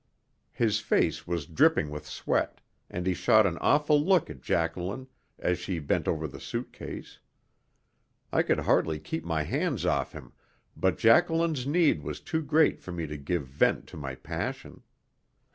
His face was dripping with sweat, and he shot an awful look at Jacqueline as she bent over the suit case. I could hardly keep my hands off him, but Jacqueline's need was too great for me to give vent to my passion.